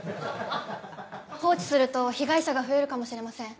放置すると被害者が増えるかもしれません。